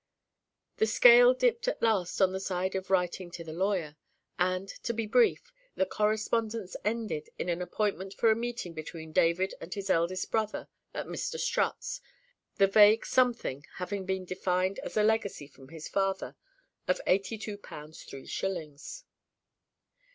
The scale dipped at last on the side of writing to the lawyer, and, to be brief, the correspondence ended in an appointment for a meeting between David and his eldest brother at Mr. Strutt's, the vague "something" having been defined as a legacy from his father of eighty two pounds, three shillings.